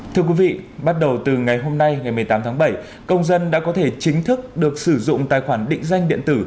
thưa quý vị bắt đầu từ ngày hôm nay ngày một mươi tám tháng bảy công dân đã có thể chính thức được sử dụng tài khoản định danh điện tử